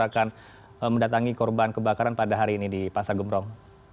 akan mendatangi korban kebakaran pada hari ini di pasar gembrong